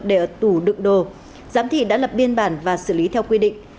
để ở tủ đựng đồ giám thị đã lập biên bản và xử lý theo quy định